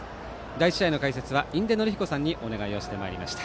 第１試合の解説は印出順彦さんにお願いしてまいりました。